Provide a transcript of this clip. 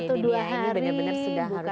ini benar benar sudah harus